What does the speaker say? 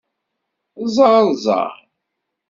Ẓeṛ ẓeṛ!